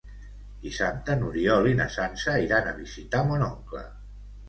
Dissabte n'Oriol i na Sança iran a visitar mon oncle.